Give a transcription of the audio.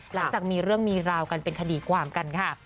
หลังจากมีเรื่องมีราวกันเป็นคดีความกันค่ะ